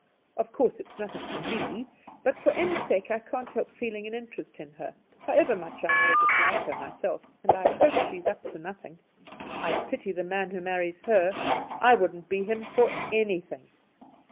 "Of course it's nothing to me; but for Em's sake I can't help feeling an interest in her, however much I may dislike her myself; and I hope she's up to nothing. I pity the man who marries her; I wouldn't be him for anything.